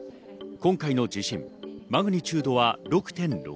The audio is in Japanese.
今回の地震、マグニチュードは６．６。